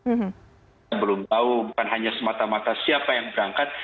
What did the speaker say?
kita belum tahu bukan hanya semata mata siapa yang berangkat